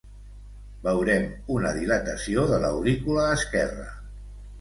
Veurem una dilatació de l'aurícula esquerra.